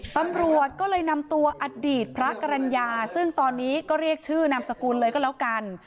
ตำรวจก็เลยนำตัวอดีตพระกรรณญาซึ่งตอนนี้ก็เรียกชื่อนามสกุลเลยก็แล้วกัน